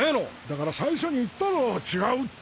だから最初に言ったろ違うって！